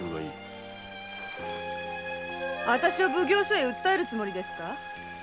あたしを奉行所に訴えるつもりですか？